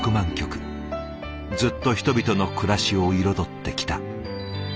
ずっと人々の暮らしを彩ってきた。